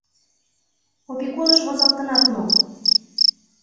— Опекуныш возалтынат мо!